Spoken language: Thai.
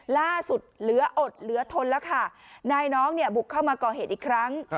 เหลืออดเหลือทนแล้วค่ะนายน้องเนี่ยบุกเข้ามาก่อเหตุอีกครั้ง